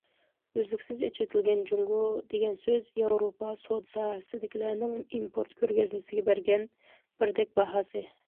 « ئۈزلۈكسىز ئېچىۋېتىلگەن جۇڭگو» دېگەن سۆز ياۋروپا سودا ساھەسىدىكىلەرنىڭ ئىمپورت كۆرگەزمىسىگە بەرگەن بىردەك باھاسى.